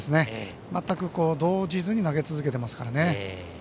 全く動じずに投げ続けていますからね。